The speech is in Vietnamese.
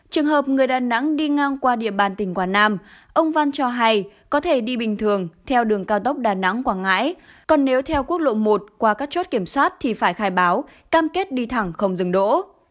trường hợp người đà nẵng đi ngang qua địa bàn tỉnh quảng nam ông văn cho hay có thể đi bình thường theo đường cao tốc đà nẵng quảng ngãi còn nếu theo quốc lộ một qua các chốt kiểm soát thì phải khai báo cam kết đi thẳng không dừng đỗ